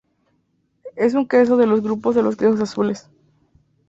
Es un queso del grupo de los "quesos azules".